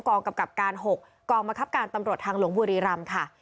กองกับกราบการหกกองมหัวคับการตำรวจทางหลวงบุรีรัมน์ค่ะ